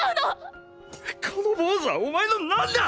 このボウズはお前の何だ